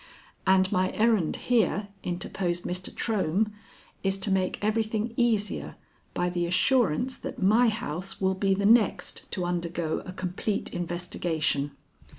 "And my errand here," interposed Mr. Trohm, "is to make everything easier by the assurance that my house will be the next to undergo a complete investigation.